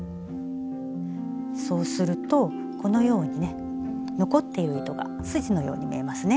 そうするとこのようにね残っている糸がすじのように見えますね。